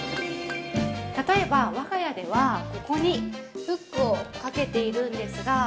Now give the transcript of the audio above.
◆例えば我が家ではここにフックをかけているんですが。